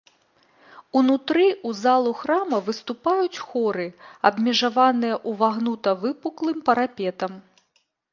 Унутры ў залу храма выступаюць хоры, абмежаваныя ўвагнута-выпуклым парапетам.